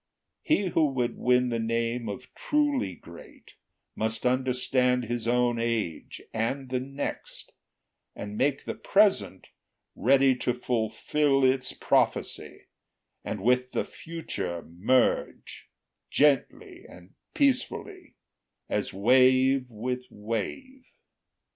He who would win the name of truly great Must understand his own age and the next, And make the present ready to fulfil Its prophecy, and with the future merge Gently and peacefully, as wave with wave.